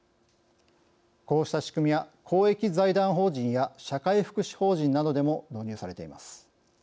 こうした仕組みは公益財団法人や社会福祉法人などでも導入されています。